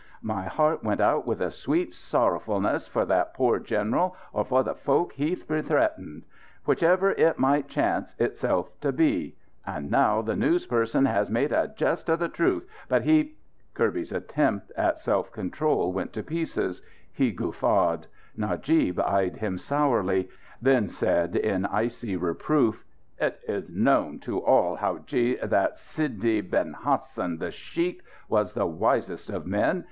My heart went out with a sweet sorrowfulness for that poor general or for the folk he bethreatened. Whichever it might chance itself to be. And now the news person has made a jest of the truth. But he " Kirby's attempt at self control went to pieces. He guffawed. Najib eyed him sourly; then said in icy reproof: "It is known to all, howadji, that Sidi ben Hassan, the sheikh, was the wisest of men.